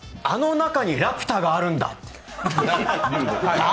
あの中にラピュタがあるんだ！